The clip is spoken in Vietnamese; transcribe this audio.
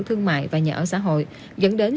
thương mại và nhà ở xã hội dẫn đến